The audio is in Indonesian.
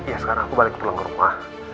ya sekarang aku balik pulang ke rumah